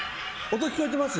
音、聞こえてます？